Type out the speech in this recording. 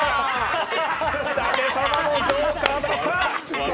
舘様もジョーカーになった！